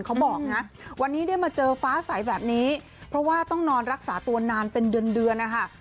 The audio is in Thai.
เขาบอกนะวันนี้ได้มาเจอฟ้าใสแบบนี้เพราะว่าต้องนอนรักษาตัวนานเป็นเดือนเดือนนะคะ